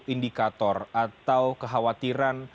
indikator atau kekhawatiran